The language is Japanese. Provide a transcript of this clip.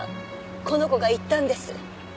この子が言ったんです。